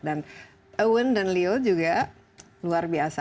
dan owen dan leo juga luar biasa